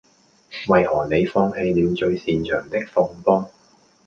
為何你放棄了最擅長的放波